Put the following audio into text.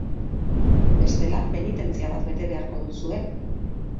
Bestela, penitentzia bat bete beharko duzue.